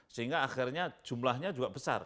sehingga akhirnya jumlahnya juga besar